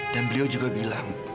dan beliau juga bilang